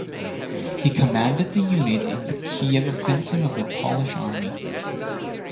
He commanded the unit in the Kiev Offensive of the Polish Army.